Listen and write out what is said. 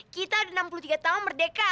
kita udah enam puluh tiga tahun merdeka